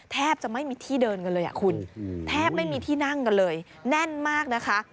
แทบจะไม่มีที่เดินกันเลยอ่ะคุณแทบไม่มีที่นั่งกันเลยแน่นมากนะคะ